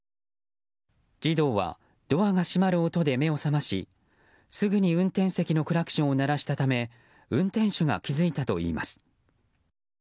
児童はドアが閉まる音で目を覚ましすぐに運転席のクラクションを鳴らしたため運転手が気付いたといいます。